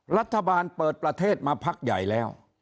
รัฐบาลเปิดประเทศมาพักใหญ่แล้ว